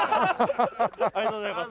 ありがとうございます！